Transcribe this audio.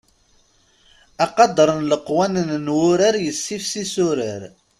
Aqader n leqwanen n wurar yessifsis urar.